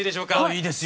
いいですよ。